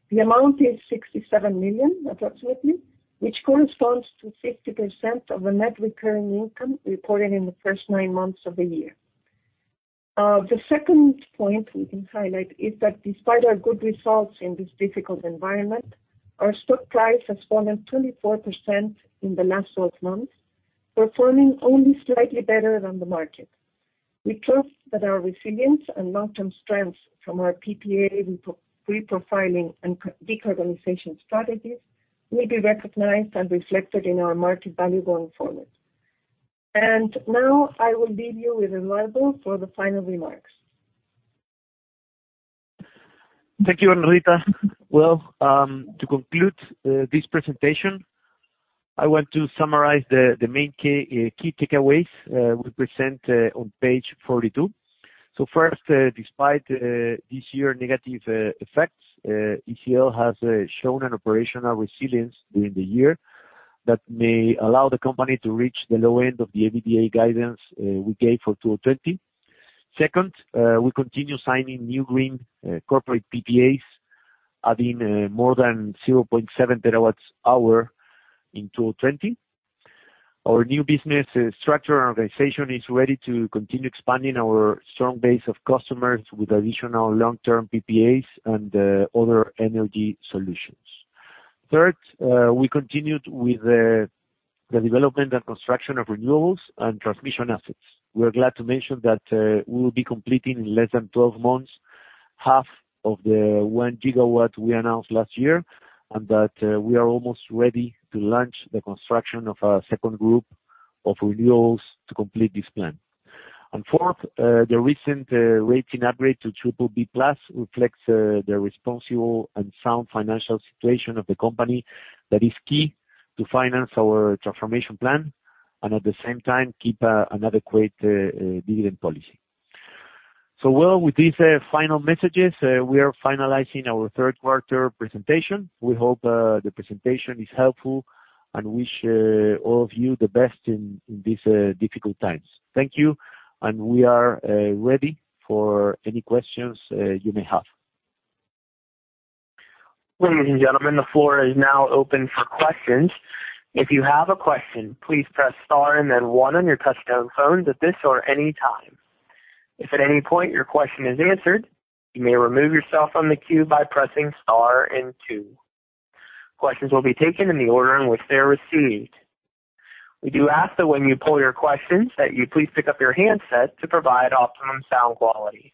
The amount is $67 million approximately, which corresponds to 50% of the net recurring income reported in the first nine months of the year. The second point we can highlight is that despite our good results in this difficult environment, our stock price has fallen 24% in the last 12 months, performing only slightly better than the market. We trust that our resilience and long-term strengths from our PPA reprofiling and decarbonization strategies will be recognized and reflected in our market value going forward. Now, I will leave you with Eduardo for the final remarks. Thank you, Bernardita. Well, to conclude this presentation, I want to summarize the main key takeaways we present on page 42. First, despite this year's negative effects, ECL has shown an operational resilience during the year that may allow the company to reach the low end of the EBITDA guidance we gave for 2020. Second, we continue signing new green corporate PPAs, adding more than 0.7 TWh in 2020. Our new business structure and organization is ready to continue expanding our strong base of customers with additional long-term PPAs and other energy solutions. Third, we continued with the development and construction of renewables and transmission assets. We are glad to mention that we will be completing in less than 12 months half of the 1 GW we announced last year, and that we are almost ready to launch the construction of our second group of renewables to complete this plan. Fourth, the recent rating upgrade to BBB+ reflects the responsible and sound financial situation of the company that is key to finance our transformation plan and, at the same time, keep an adequate dividend policy. Well, with these final messages, we are finalizing our third quarter presentation. We hope the presentation is helpful and wish all of you the best in these difficult times. Thank you, and we are ready for any questions you may have. Ladies and gentlemen, the floor is now open for questions. If you have a question, please press star and then one on your touchtone phone at this or any time. If at any point your question is answered, you may remove yourself from the queue by pressing star and two. Questions will be taken in the order in which they are received. We do ask that when you pose your questions that you please pick up your handset to provide optimum sound quality.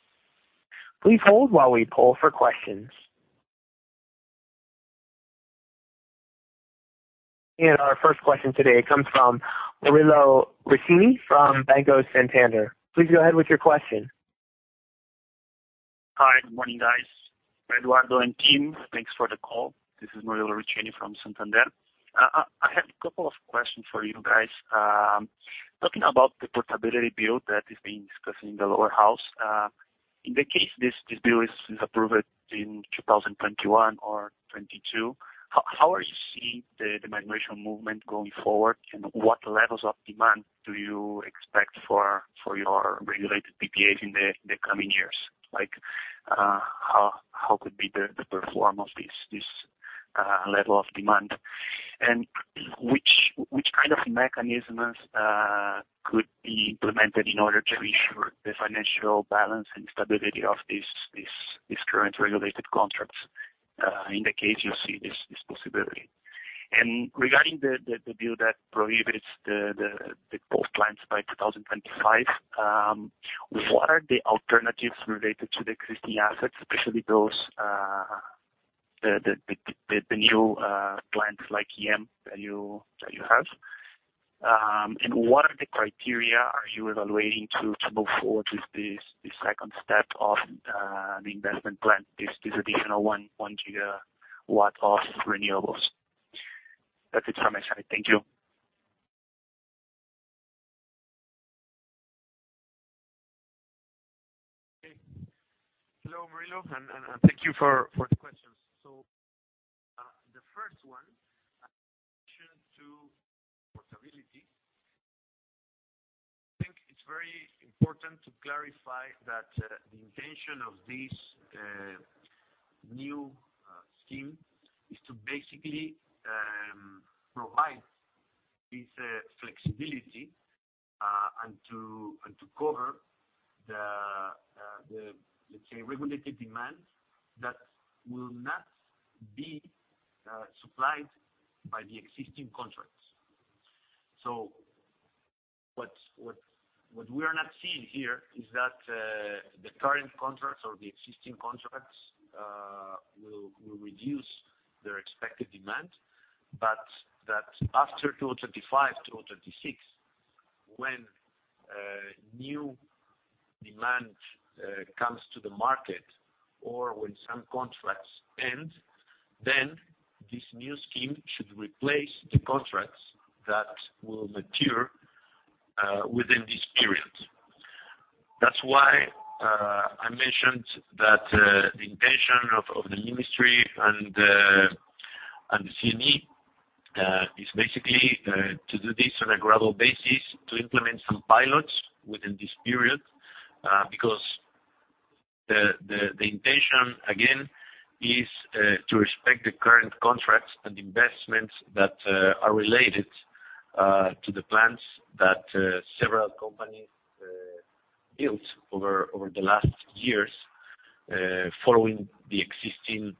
Please hold while we poll for questions. Our first question today comes from Murilo Riccini from Banco Santander. Please go ahead with your question. Hi. Good morning, guys. Eduardo and team, thanks for the call. This is Murilo Riccini from Santander. I have a couple of questions for you guys. Talking about the portability bill that is being discussed in the lower house, in the case this bill is approved in 2021 or 2022, how are you seeing the migration movement going forward, and what levels of demand do you expect for your regulated PPAs in the coming years? How could be the performance, this level of demand? Which kind of mechanisms could be implemented in order to ensure the financial balance and stability of these current regulated contracts, in the case you see this possibility? Regarding the bill that prohibits the coal plants by 2025, what are the alternatives related to the existing assets, especially the new plants like IEM that you have? What are the criteria are you evaluating to move forward with this second step of the investment plan, this additional 1 GW of renewables? That's it from my side. Thank you. Hello, Murilo, and thank you for the questions. The first one, in addition to portability, I think it's very important to clarify that the intention of this new scheme is to basically provide this flexibility, and to cover the, let's say, regulated demand that will not be supplied by the existing contracts. What we are not seeing here is that the current contracts or the existing contracts will reduce their expected demand, but that after 2025, 2026, when new demand comes to the market or when some contracts end, this new scheme should replace the contracts that will mature within this period. That's why I mentioned that the intention of the Ministry and the CNE is basically to do this on a gradual basis, to implement some pilots within this period. The intention, again, is to respect the current contracts and investments that are related to the plants that several companies built over the last years, following the existing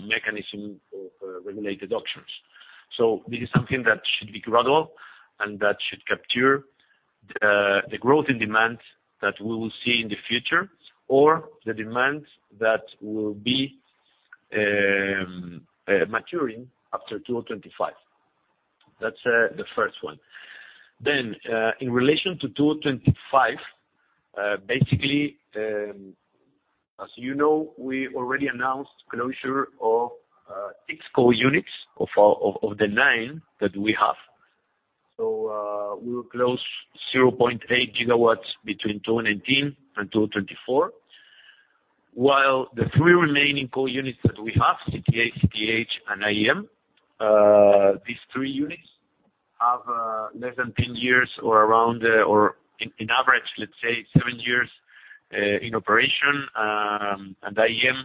mechanism of regulated auctions. This is something that should be gradual and that should capture the growth in demand that we will see in the future, or the demand that will be maturing after 2025. That's the first one. In relation to 2025, basically, as you know, we already announced closure of six coal units of the nine that we have. We will close 0.8 GW between 2018 and 2024, while the three remaining coal units that we have, CTA, CTH, and IEM, these three units have less than 10 years or in average, let's say, seven years in operation. IEM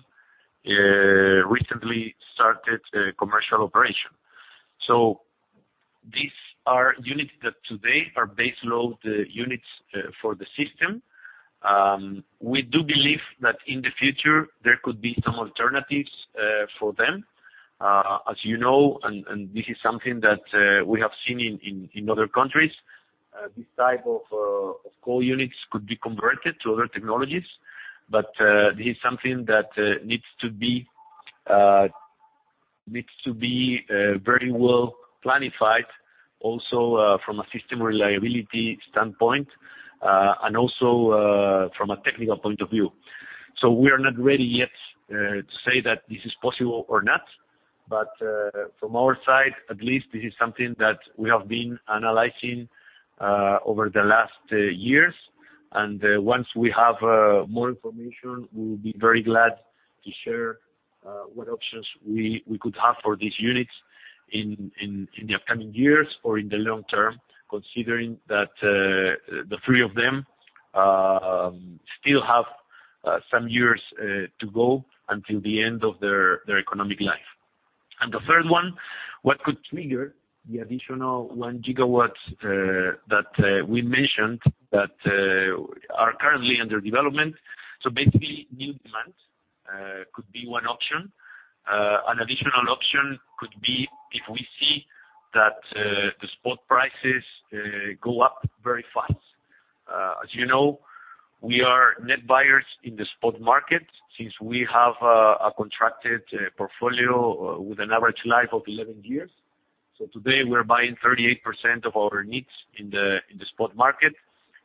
recently started commercial operation. These are units that today are base load units for the system. We do believe that in the future, there could be some alternatives for them. As you know, and this is something that we have seen in other countries, these type of coal units could be converted to other technologies. This is something that needs to be very well-planified, also from a system reliability standpoint, and also from a technical point of view. We are not ready yet to say that this is possible or not, but from our side at least, this is something that we have been analyzing over the last years. Once we have more information, we will be very glad to share what options we could have for these units in the upcoming years or in the long term, considering that the three of them still have some years to go until the end of their economic life. The third one, what could trigger the additional 1 GW that we mentioned that are currently under development. Basically, new demand could be one option. An additional option could be if we see that the spot prices go up very fast. As you know, we are net buyers in the spot market since we have a contracted portfolio with an average life of 11 years. Today, we're buying 38% of our needs in the spot market.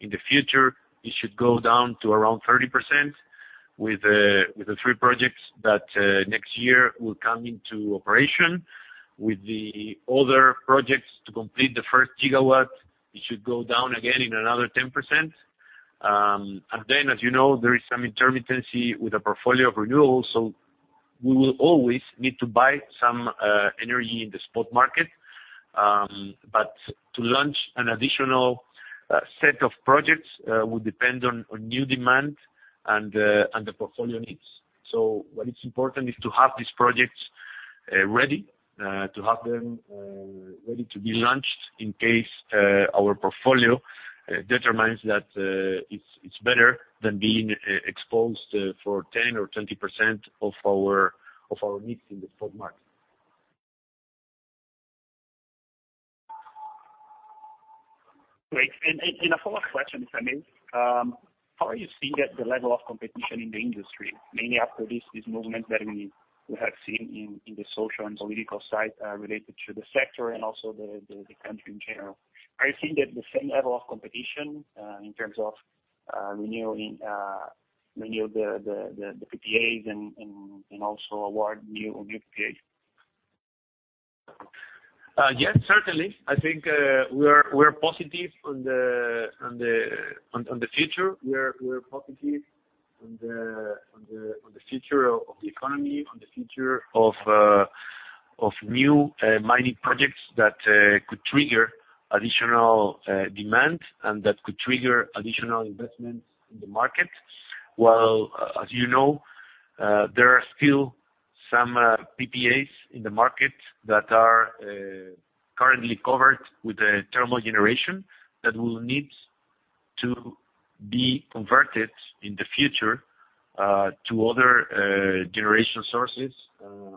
In the future, it should go down to around 30% with the three projects that next year will come into operation. With the other projects to complete the first gigawatt, it should go down again in another 10%. As you know, there is some intermittency with the portfolio of renewables, so we will always need to buy some energy in the spot market. To launch an additional set of projects, will depend on new demand and the portfolio needs. What is important is to have these projects ready, to have them ready to be launched in case our portfolio determines that it's better than being exposed for 10% or 20% of our needs in the spot market. Great. A follow-up question, if I may. How are you seeing that the level of competition in the industry, mainly after this movement that we have seen in the social and political side related to the sector and also the country in general? Are you seeing that the same level of competition in terms of renewing the PPAs and also award new PPAs? Yes, certainly. I think we're positive on the future. We're positive on the future of the economy, on the future of new mining projects that could trigger additional demand and that could trigger additional investments in the market. As you know, there are still some PPAs in the market that are currently covered with the thermal generation that will need to be converted in the future to other generation sources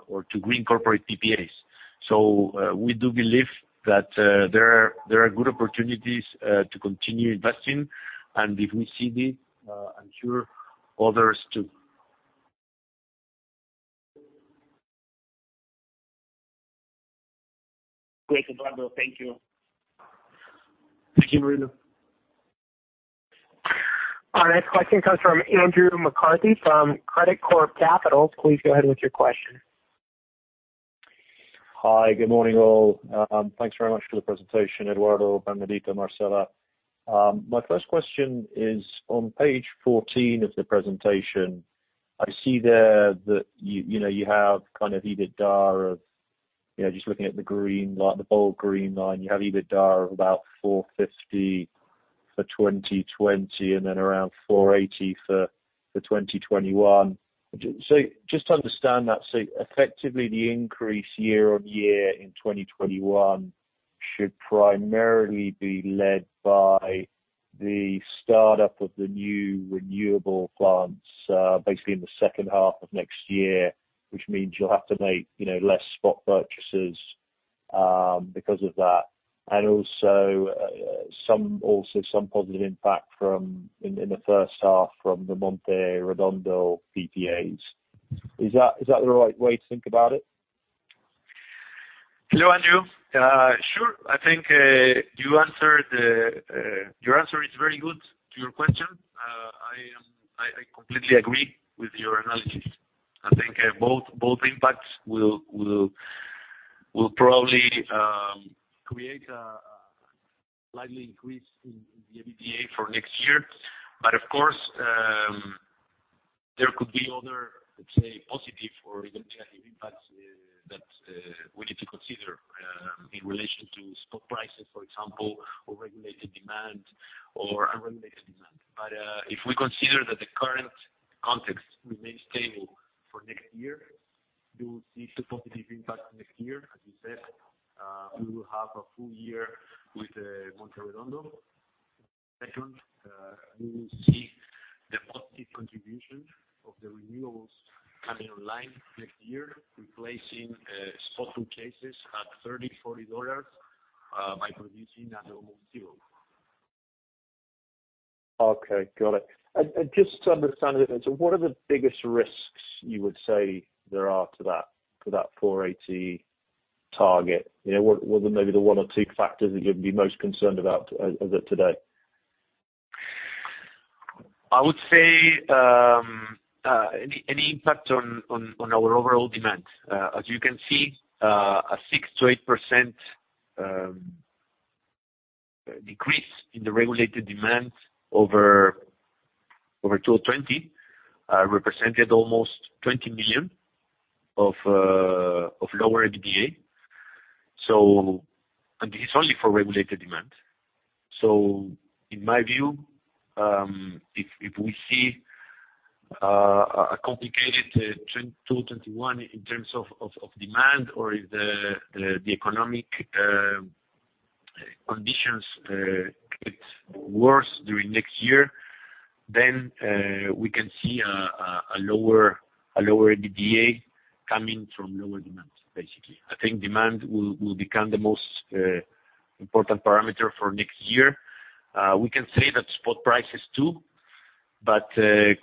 or to green corporate PPAs. We do believe that there are good opportunities to continue investing, and if we see it, I'm sure others too. Great, Eduardo. Thank you. Thank you, Murilo. Our next question comes from Andrew McCarthy from Credicorp Capital. Please go ahead with your question. Hi. Good morning, all. Thanks very much for the presentation, Eduardo, Bernardita, Marcela. My first question is on page 14 of the presentation. I see there that you have kind of EBITDA of, just looking at the bold green line, you have EBITDA of about $450 for 2020, and then around $480 for 2021. Just to understand that, so effectively, the increase year-over-year in 2021 should primarily be led by the startup of the new renewable plants, basically in the second half of next year, which means you'll have to make less spot purchases because of that. Also some positive impact in the first half from the Monte Redondo PPAs. Is that the right way to think about it? Hello, Andrew. Sure. I think your answer is very good to your question. I completely agree with your analysis. I think both impacts will probably create a slightly increase in the EBITDA for next year. Of course, there could be other, let's say, positive or even negative impacts that we need to consider, in relation to spot prices, for example, or regulated demand or unregulated demand. If we consider that the current context remains stable for next year, we will see the positive impact next year, as you said. We will have a full year with Monte Redondo. Second, we will see the positive contribution of the renewables coming online next year, replacing spot purchases at $30, $40 by producing at almost zero. Okay, got it. Just to understand it, what are the biggest risks you would say there are to that 480 target? What are maybe the one or two factors that you'd be most concerned about as of today? I would say, any impact on our overall demand. As you can see, a 6%-8% decrease in the regulated demand over 2020 represented almost $20 million of lower EBITDA. This is only for regulated demand. In my view, if we see a complicated 2021 in terms of demand, or if the economic conditions get worse during next year, we can see a lower EBITDA coming from lower demand, basically. I think demand will become the most important parameter for next year. We can say that spot prices too, but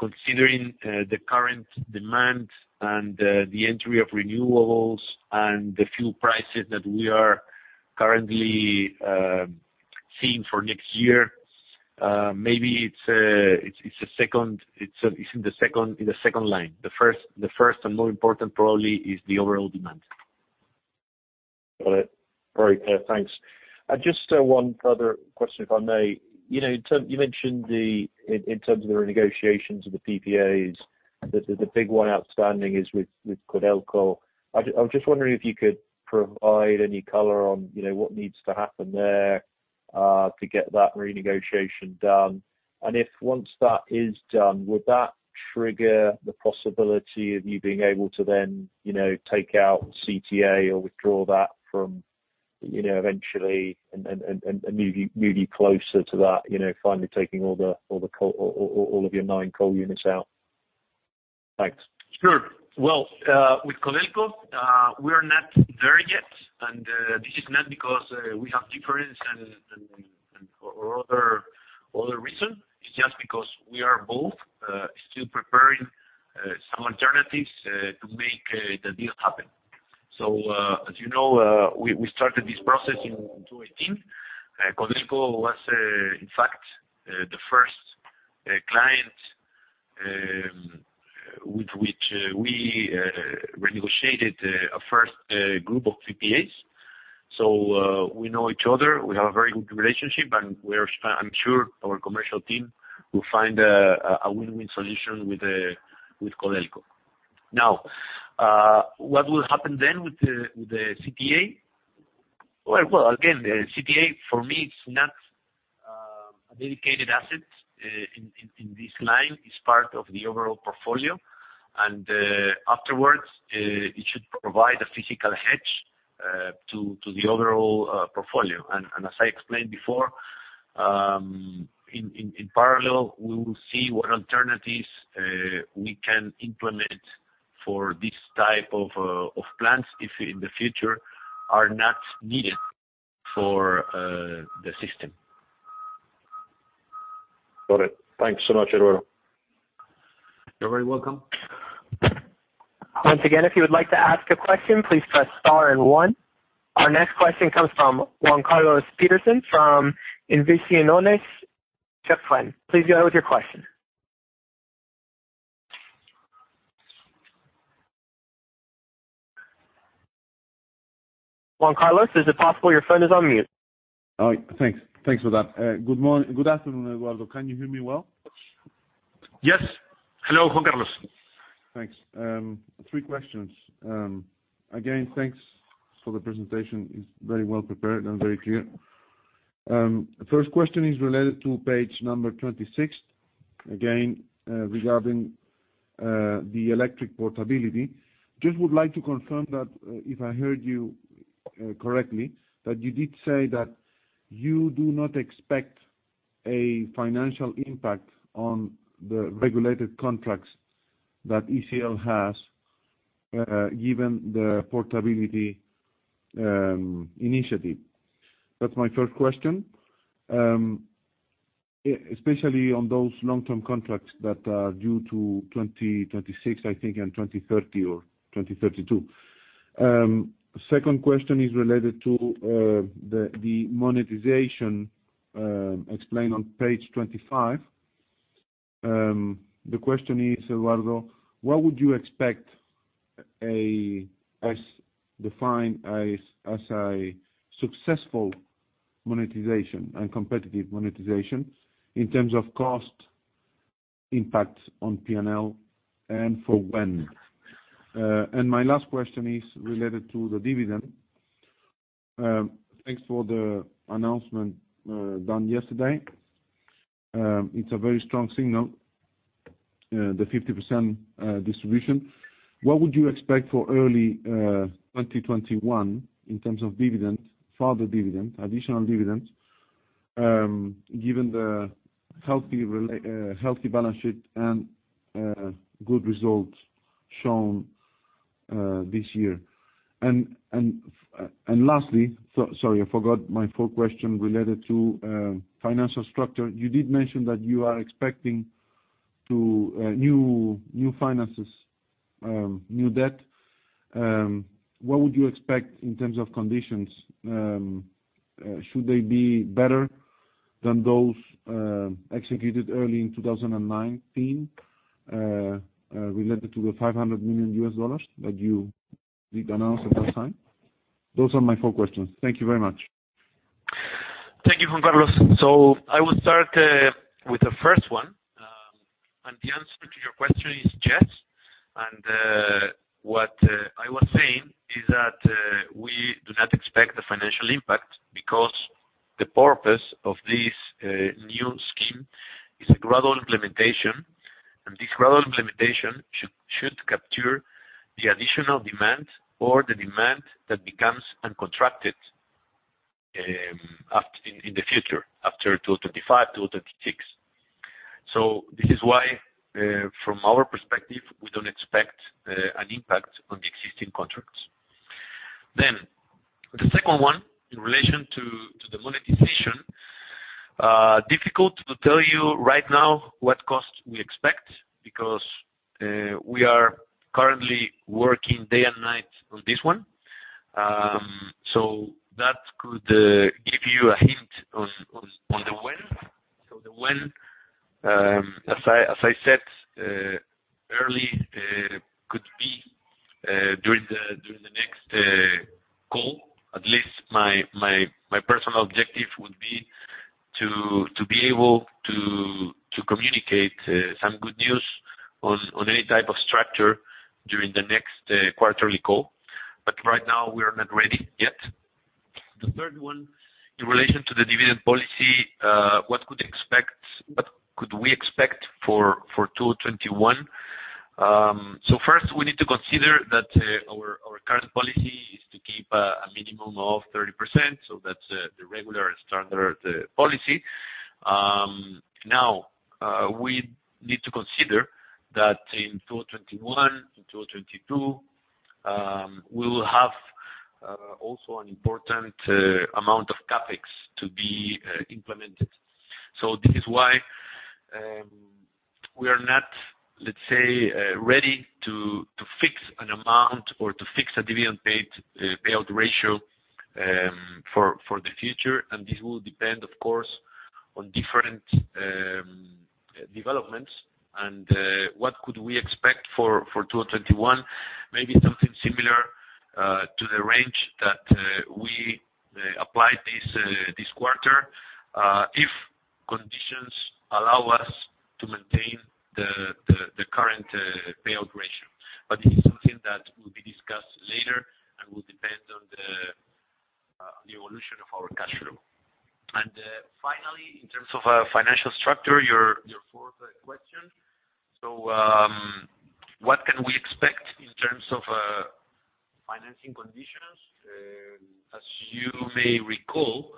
considering the current demand and the entry of renewables and the fuel prices that we are currently seeing for next year, maybe it's in the second line. The first and more important probably is the overall demand. Got it. Very clear. Thanks. Just one further question, if I may. You mentioned, in terms of the renegotiations of the PPAs, that the big one outstanding is with Codelco. I was just wondering if you could provide any color on what needs to happen there, to get that renegotiation done. If once that is done, would that trigger the possibility of you being able to then take out CTA or withdraw that eventually, and move you closer to that, finally taking all of your nine coal units out? Thanks. Sure. Well, with Codelco, we are not there yet, and this is not because we have differences or other reason, it's just because we are both still preparing some alternatives to make the deal happen. As you know, we started this process in 2018. Codelco was, in fact, the first client with which we renegotiated a first group of PPAs. We know each other, we have a very good relationship, and I'm sure our commercial team will find a win-win solution with Codelco. What will happen then with the CTA? Well, again, the CTA for me is not a dedicated asset in this line. It's part of the overall portfolio. Afterwards, it should provide a physical hedge to the overall portfolio. As I explained before, in parallel, we will see what alternatives we can implement for this type of plants if, in the future, are not needed for the system. Got it. Thanks so much, Eduardo. You're very welcome. Once again, if you would like to ask a question, please press star and one. Our next question comes from Juan Carlos Peterson from Inversiones. Please go ahead with your question. Juan Carlos, is it possible your phone is on mute? All right. Thanks for that. Good afternoon, Eduardo. Can you hear me well? Yes. Hello, Juan Carlos. Thanks. Three questions. Again, thanks for the presentation. It is very well prepared and very clear. First question is related to page 26, again, regarding the electric portability. Just would like to confirm that, if I heard you correctly, that you did say that you do not expect a financial impact on the regulated contracts that ECL has, given the portability initiative. That is my first question. Especially on those long-term contracts that are due to 2026, I think, and 2030 or 2032. Second question is related to the monetization explained on page 25. The question is, Eduardo, what would you expect as defined as a successful monetization and competitive monetization in terms of cost impact on P&L and for when? My last question is related to the dividend. Thanks for the announcement done yesterday. It is a very strong signal, the 50% distribution. What would you expect for early 2021 in terms of dividend, further dividend, additional dividend, given the healthy balance sheet and good results shown this year? Lastly, sorry, I forgot my fourth question related to financial structure. You did mention that you are expecting new finances, new debt. What would you expect in terms of conditions? Should they be better than those executed early in 2019, related to the $500 million that you did announce at that time. Those are my four questions. Thank you very much. Thank you, Juan Carlos. I will start with the first one. The answer to your question is yes. What I was saying is that we do not expect the financial impact because the purpose of this new scheme is a gradual implementation, and this gradual implementation should capture the additional demand or the demand that becomes uncontracted in the future, after 2025/2026. This is why, from our perspective, we don't expect an impact on the existing contracts. The second one, in relation to the monetization, difficult to tell you right now what costs we expect, because we are currently working day and night on this one. That could give you a hint on the when. The when, as I said, early could be during the next call. At least my personal objective would be to be able to communicate some good news on any type of structure during the next quarterly call. Right now, we are not ready yet. The third one, in relation to the dividend policy, what could we expect for 2021? First, we need to consider that our current policy is to keep a minimum of 30%. That's the regular and standard policy. We need to consider that in 2021, in 2022, we will have also an important amount of CapEx to be implemented. This is why we are not, let's say, ready to fix an amount or to fix a dividend payout ratio for the future. This will depend, of course, on different developments. What could we expect for 2021, maybe something similar to the range that we applied this quarter, if conditions allow us to maintain the current payout ratio. This is something that will be discussed later and will depend on the evolution of our cash flow. Finally, in terms of financial structure, your fourth question. What can we expect in terms of financing conditions? As you may recall,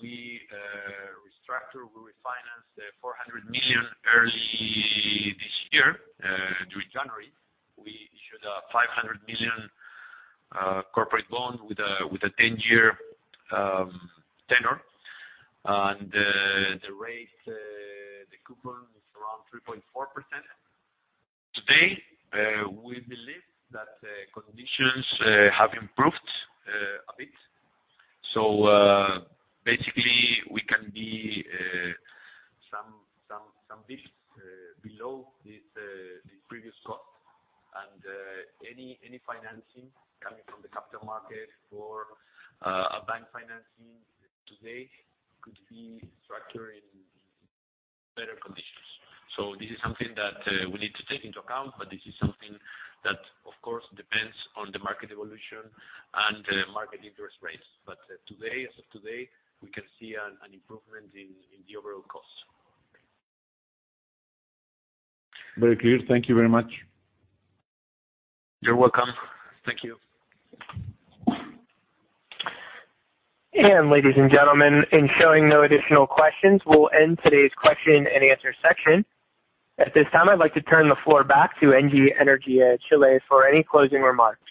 we restructured, we refinanced $400 million early this year, during January. We issued a $500 million corporate bond with a 10-year tenor. The rate, the coupon is around 3.4%. Today, we believe that conditions have improved a bit. Basically, we can be some bps below the previous cost. Any financing coming from the capital market for a bank financing today could be structured in better conditions. This is something that we need to take into account, but this is something that, of course, depends on the market evolution and market interest rates. As of today, we can see an improvement in the overall cost. Very clear. Thank you very much. You're welcome. Thank you. Ladies and gentlemen, in showing no additional questions, we'll end today's question and answer section. At this time, I'd like to turn the floor back to Engie Energia Chile for any closing remarks.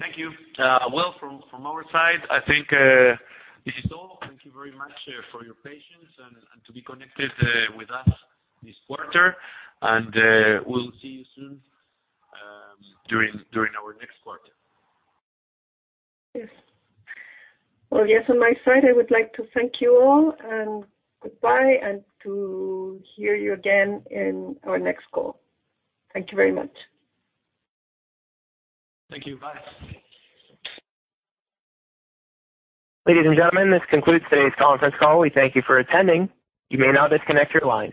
Thank you. Well, from our side, I think this is all. Thank you very much for your patience and to be connected with us this quarter. We'll see you soon during our next quarter. Yes. Well, yes, on my side, I would like to thank you all, and goodbye, and to hear you again in our next call. Thank you very much. Thank you. Bye. Ladies and gentlemen, this concludes today's conference call. We thank you for attending. You may now disconnect your lines.